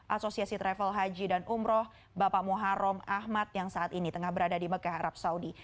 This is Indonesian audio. asosiasi travel haji dan umroh bapak muharam ahmad yang saat ini tengah berada di mekah arab saudi